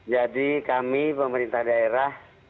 jadi kami pemerintah daerah